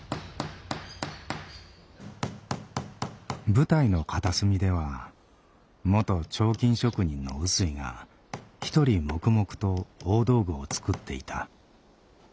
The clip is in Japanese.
舞台の片隅では元彫金職人の臼井が一人黙々と大道具を作っていた。